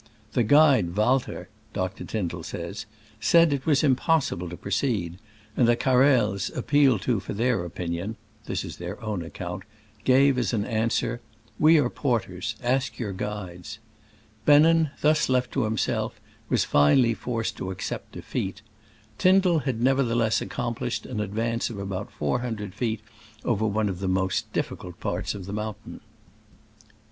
The guide Walter (Dr. Tyn dall says) said it was impossible to pro ceed, and the Carrels, appealed to for their opinion (this is their own account), gave as an answer, " We are porters — ask your guides." Bennen, thus left to himself, "was finally forced to accept defeat." Tyndall had nevertheless ac complished an advance of about four hundred feet over one of the most dif ficult parts of the mountain.